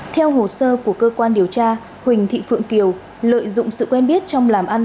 theo hồ sơ của cơ quan điều tra huỳnh thị phượng kiều lợi dụng sự quen biết trong làm ăn